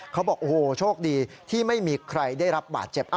เขาบอกโอ้โหโชคดีที่ไม่มีใครได้รับบาดเจ็บ